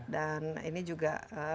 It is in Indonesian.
dan ini juga